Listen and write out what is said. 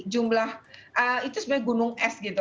jumlah itu sebenarnya gunung es gitu